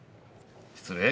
失礼。